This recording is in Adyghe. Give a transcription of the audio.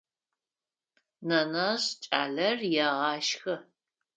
Нэнэжъ кӏалэр егъашхэ.